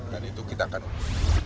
dan itu kita akan lakukan